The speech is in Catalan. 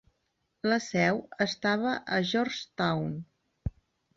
La seu estava a Georgetown.